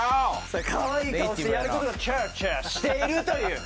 かわいい顔してやる事がチャラチャラしているという。